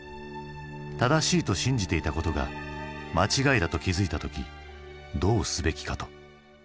「正しいと信じていたことが間違いだと気付いた時どうすべきか？」と。